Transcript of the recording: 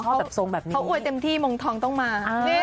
เขาแบบทรงแบบนี้เขาอวยเต็มที่เมืองทองต้องมา